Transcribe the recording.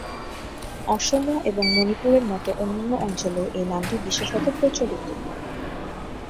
অসম এবং মণিপুরের মতো অন্যান্য অঞ্চলেও এই নামটি বিশেষত প্রচলিত।